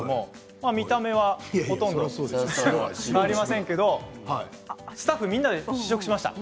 見た目は、ほとんど変わりませんけどスタッフみんなで試食しました。